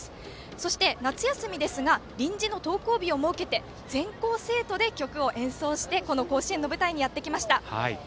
そして夏休みですが臨時の登校日を設けて全校生徒で曲を演奏してこの甲子園の舞台にやってきました。